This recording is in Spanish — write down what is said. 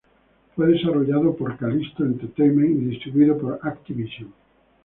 Fue desarrollado por Kalisto Entertainment y distribuido por Activision.